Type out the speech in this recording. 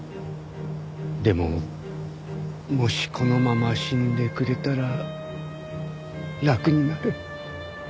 でももしこのまま死んでくれたら楽になる。